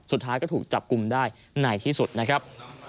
สุดท้ายก็ถูกจับกลุ่มได้ในที่สุดนะครับ